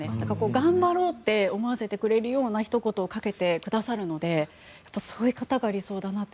頑張ろうって思わせてくれるようなひと言をかけてくださるのでそういう方が理想だなと。